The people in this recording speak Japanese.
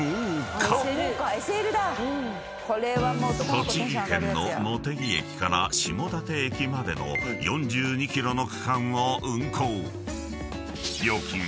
［栃木県の茂木駅から下館駅までの４２ｋｍの区間を運行］